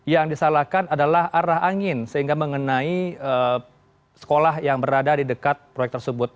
yang disalahkan adalah arah angin sehingga mengenai sekolah yang berada di dekat proyek tersebut